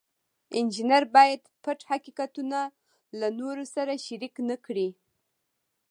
انجینر باید پټ حقیقتونه له نورو سره شریک نکړي.